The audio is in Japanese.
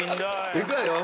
いくわよ！